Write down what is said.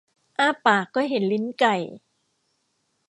อ้าปากก็เห็นลิ้นไก่